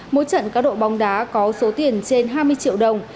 mỗi trận cá độ bóng đá có số tiền trên hai mươi triệu đồng